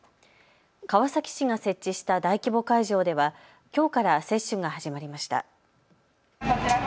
川崎市が設置した大規模会場ではきょうから接種が始まりました。